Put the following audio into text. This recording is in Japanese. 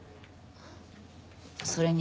それに。